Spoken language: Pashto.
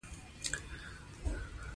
ننګرهار د افغان ماشومانو د زده کړې موضوع ده.